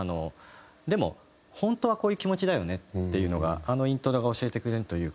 でも本当はこういう気持ちだよねっていうのがあのイントロが教えてくれるというか。